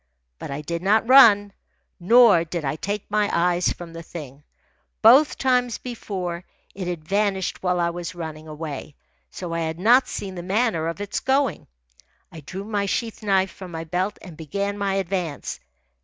But I did not run. Nor did I take my eyes from the thing. Both times before, it had vanished while I was running away, so I had not seen the manner of its going. I drew my sheath knife from my belt and began my advance.